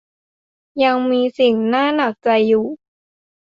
ยังมีสิ่งน่าหนักใจอยู่